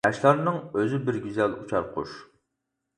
ياشلارنىڭ ئۆزى بىر گۈزەل ئۇچار قۇش.